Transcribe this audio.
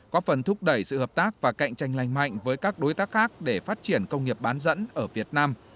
có phần thúc đẩy sự hợp tác và cạnh tranh lành mạnh với các đối tác khác để phát triển công nghiệp bán dẫn ở việt nam